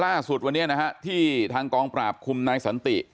ล่าสุดวันนี้นะฮะที่ทางกองปราบคุมนายสันติ